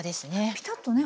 ピタッとね